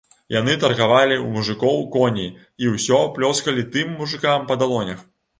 Яны таргавалі ў мужыкоў коні і ўсё плёскалі тым мужыкам па далонях.